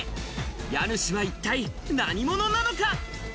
家主は一体何者なのか？